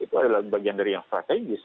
itu adalah bagian dari yang strategis